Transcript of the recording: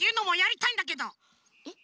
えっ？